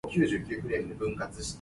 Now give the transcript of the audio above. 應當